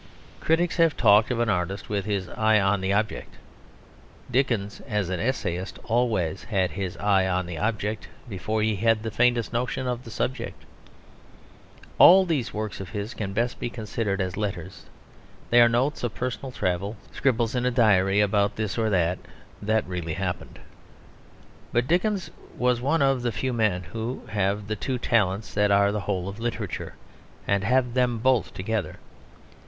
Critics have talked of an artist with his eye on the object. Dickens as an essayist always had his eye on an object before he had the faintest notion of a subject. All these works of his can best be considered as letters; they are notes of personal travel, scribbles in a diary about this or that that really happened. But Dickens was one of the few men who have the two talents that are the whole of literature and have them both together.